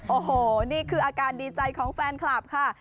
โอ้โหนี่คืออาการดีใจของแฟนคลับค่ะ